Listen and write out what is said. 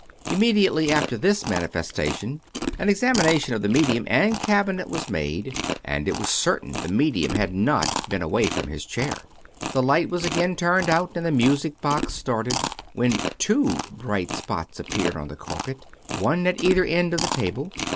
Immediately after this manifestation an examination of the medium and cabinet was made, and it was certain the medium had not been away from his chair. The light was again turned out and the music box started, when two bright spots appeared on the carpet, one at either end of the '.table.